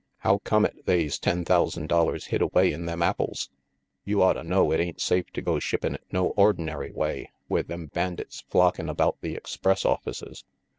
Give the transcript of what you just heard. "How comes it they's ten thousand dollars hid away in them apples?" "You otta know it ain't safe to go shippin' it no ordinary way, with them bandits flockin' about the express offices."